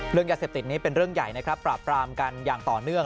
ยาเสพติดนี้เป็นเรื่องใหญ่นะครับปราบปรามกันอย่างต่อเนื่อง